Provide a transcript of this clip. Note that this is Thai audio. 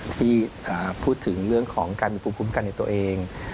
ที่พูดถึงเรื่องของการมีภูมิคุ้มกันในตัวเอง